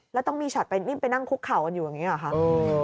แล้วต้องมีช็อตไปนี่ไปนั่งคุกเข่ากันอยู่อย่างนี้หรอคะ